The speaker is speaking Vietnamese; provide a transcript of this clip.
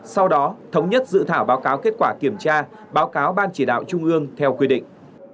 sau đó thống nhất dự thảo báo cáo kết quả kiểm tra báo cáo ban chỉ đạo trung ương theo quy định